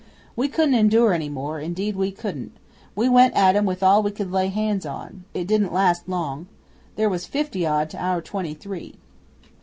We couldn't endure any more indeed we couldn't. We went at 'em with all we could lay hands on. It didn't last long. They was fifty odd to our twenty three.